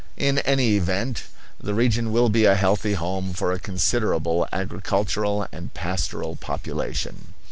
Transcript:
In any event the region will be a healthy home for a considerable agricultural and pastoral population.